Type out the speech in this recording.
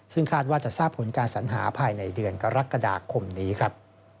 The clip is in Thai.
ซึ่งคาดว่าจะทราบผลการสัญหาภายในเดือนกรกฎาคมนี้ครับ